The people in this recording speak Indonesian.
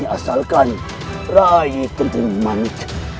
asalkan rai kuntun manik